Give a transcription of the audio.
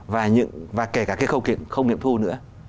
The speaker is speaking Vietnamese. và kể cả cái khâu kiện không nghiệm thu nữa